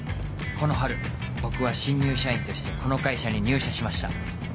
この春僕は新入社員としてこの会社に入社しました